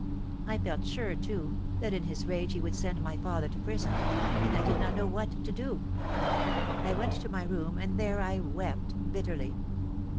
I felt sure, too, that in his rage he would send my father to prison; and I did not know what to do. I went to my room, and there I wept bitterly.